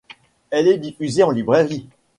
Elle est diffusée en librairie.